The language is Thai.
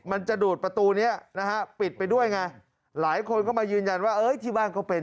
มันจะดูดประตูนี้นะฮะปิดไปด้วยไงหลายคนก็มายืนยันว่าเอ้ยที่บ้านเขาเป็น